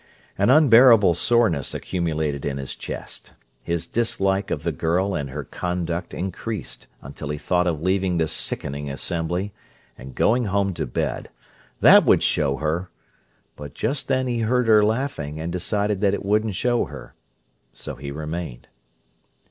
An unbearable soreness accumulated in his chest: his dislike of the girl and her conduct increased until he thought of leaving this sickening Assembly and going home to bed. That would show her! But just then he heard her laughing, and decided that it wouldn't show her. So he remained.